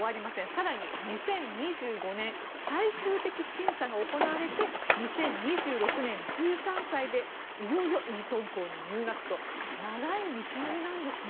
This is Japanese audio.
更に、２０２５年最終的審査が行われて２０２６年１３歳でいよいよイートン校に入学と長い道のりなんですね。